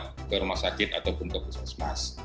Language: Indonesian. berobat ke rumah sakit ataupun ke pusat mas